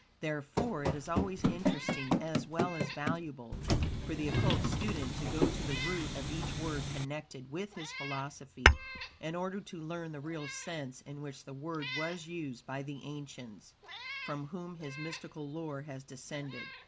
Therefore, it is always interesting, as well as valuable, for the Occult student to go to the root of each word connected with his philosophy, in order to learn the real sense in which the word was used by the ancients, from whom his mystic lore has descended.